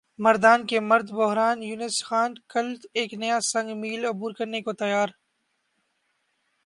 مردان کےمرد بحران یونس خان کل ایک نیا سنگ میل عبور کرنے کو تیار